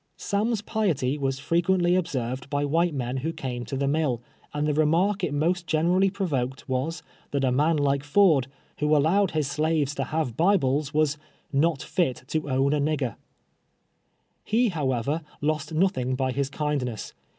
Sam's i)iety was frequently observed by white men who came t(^ the mill, and the renuirk it most gener ally prii\(>ki'(l wa^. that a man like Ford, whfi all'»wed his slaves to have Ihbles, was " not lit to own anigi:;er." He, liowever, lost nothing by his kindness.